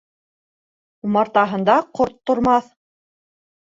Умартаһында ҡорт тормаҫ.